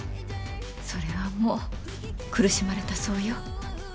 それはもう苦しまれたそうよ。